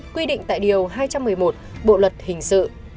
quy định tại điều hai trăm một mươi một bộ luật hình sự